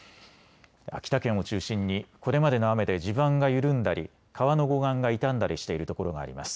秋田県を中心にこれまでの雨で地盤が緩んだり川の護岸が傷んだりしているところがあります。